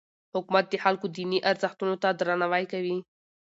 حکومت د خلکو دیني ارزښتونو ته درناوی کوي.